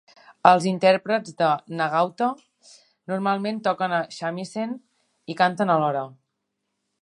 Els intèrprets de Nagauta normalment toquen el shamisen i canten alhora.